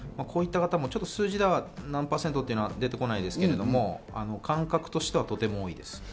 こういった方も数字では何％というのは出てこないですけど、感覚としてはとても多いです。